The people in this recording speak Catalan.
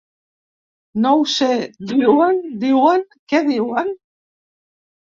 No ho sé, diuen, diuen… Què diuen?